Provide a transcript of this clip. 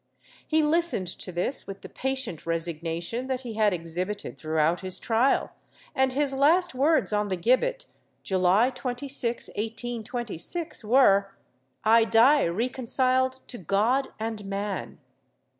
He listened to this with the patient resignation that he had exhibited throughout his trial, and his last words on the gibbet, July 26, 1826, were " I die recon ciled to God and man."